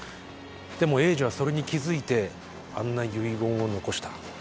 でも栄治はそれに気付いてあんな遺言を残した。